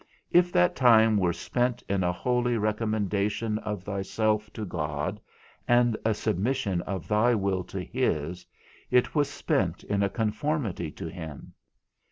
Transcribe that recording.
If that time were spent in a holy recommendation of thyself to God, and a submission of thy will to his, it was spent in a conformity to him.